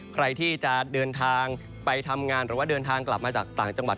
ใครที่จะเดินทางไปทำงานหรือว่าเดินทางกลับมาจากต่างจังหวัด